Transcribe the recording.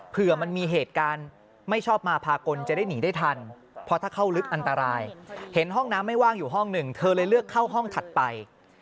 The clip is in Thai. เผื่อมันมีเหตุการณ์ไม่ชอบมาพากลจะได้หนีได้ทันเพราะถ้าเข้าลึกอันตรายเห็นห้องน้ำไม่ว่างอยู่ห้องหนึ่งเธอเลยเลือกเข้าห้องถัดไป